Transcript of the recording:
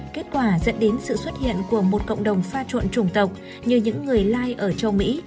kết quả dẫn đến sự xuất hiện của một cộng đồng pha trộn chủng tộc như những người lai ở châu mỹ